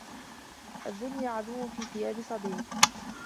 الدنيا عدو في ثياب صديق.